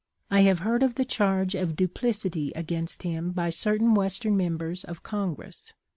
I have heard of the charge of duplicity against him by certain Western members of Con gress.